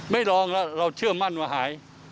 ลองแล้วเราเชื่อมั่นว่าหาย